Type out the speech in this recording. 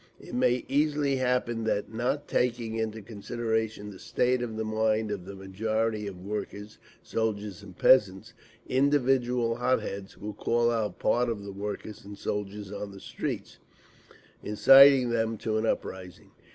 It may easily happen that, not taking into consideration the state of mind of the majority of the workers, soldiers and peasants, individual hot heads will call out part of the workers and soldiers on the streets, inciting them to an uprising….